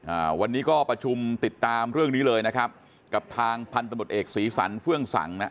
อ่าวันนี้ก็ประชุมติดตามเรื่องนี้เลยนะครับกับทางพันธบทเอกศรีสันเฟื่องสังนะฮะ